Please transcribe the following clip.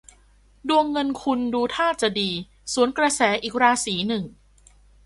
ดวงเงินคุณดูท่าจะดีสวนกระแสอีกราศีหนึ่ง